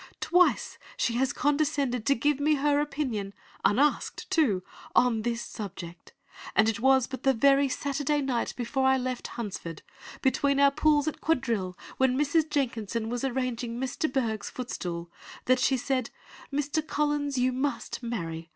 Twice has she condescended to give me her opinion (unasked too!) on this subject; and it was but the very Saturday night before I left Hunsford—between our pools at quadrille while Mrs. Jenkinson was arranging Miss de Bourgh's footstool—that she said, 'Mr. Collins, you must marry.